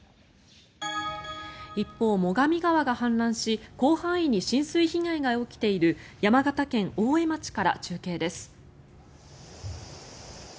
一方、最上川が氾濫し広範囲に浸水被害が起きている山形県大江町から中継です。